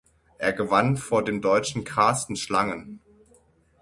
Er gewann vor dem Deutschen Carsten Schlangen.